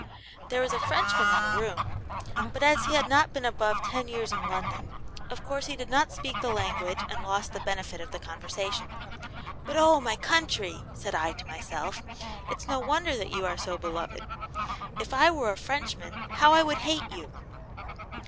There was a Frenchman in the room, but as he had not been above ten years in London, of course he did not speak the language, and lost the benefit of the conversation. 'But, O my country!' said I to myself, it's no wonder that you are so beloved! If I were a Frenchman, how I would hate you!'